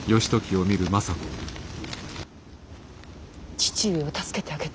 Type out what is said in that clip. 父上を助けてあげて。